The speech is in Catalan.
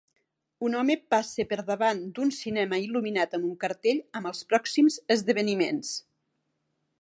Un home passa per davant d'un cinema il·luminat amb un cartell amb els pròxims esdeveniments.